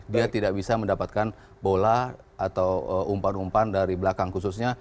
dia tidak bisa mendapatkan bola atau umpan umpan dari belakang khususnya